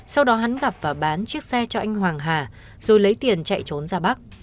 sau đó hắn gặp và bán chiếc xe cho anh hoàng hà rồi lấy tiền chạy trốn ra bắc